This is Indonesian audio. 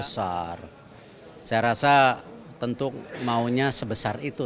saya rasa tentu maunya sebesar itu